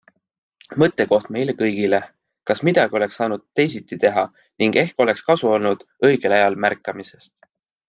Mõttekoht meile kõigile, kas midagi oleks saanud teisiti teha ning ehk oleks kasu olnud õigel ajal märkamisest.